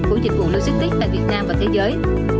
của dịch vụ logistics tại việt nam và thế giới